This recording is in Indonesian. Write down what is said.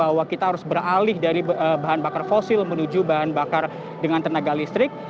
bahwa kita harus beralih dari bahan bakar fosil menuju bahan bakar dengan tenaga listrik